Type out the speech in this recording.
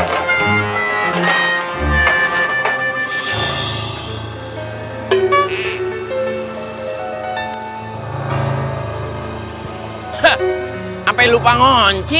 hah sampai lupa ngonci